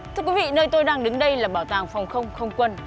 thưa quý vị nơi tôi đang đứng đây là bảo tàng phòng không không quân